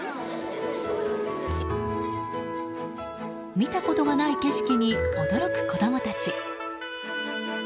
見たことがない景色に驚く子供たち。